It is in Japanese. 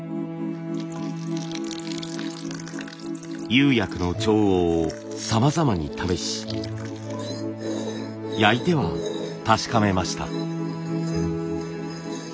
釉薬の調合をさまざまに試し焼いては確かめました。